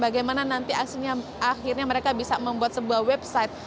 bagaimana nanti akhirnya mereka bisa membuat sebuah website